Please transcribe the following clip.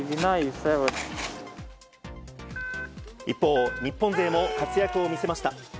一方、日本勢も活躍を見せました。